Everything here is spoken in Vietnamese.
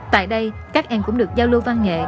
tại đây các em cũng được giao lưu văn nghệ